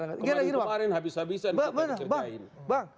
kemarin kemarin habis habisan kapan dikerjain